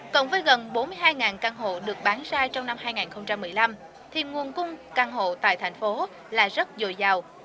cộng với gần bốn mươi hai căn hộ được bán ra trong năm hai nghìn một mươi năm thì nguồn cung căn hộ tại thành phố là rất dồi dào